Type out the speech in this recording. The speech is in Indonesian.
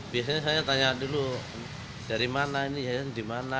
biasanya saya tanya dulu dari mana ini yayasan di mana